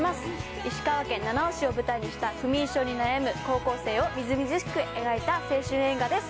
石川県七尾市を舞台にした不眠症に悩む高校生をみずみずしく描いた青春映画です。